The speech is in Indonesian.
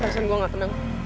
perasaan gue gak tenang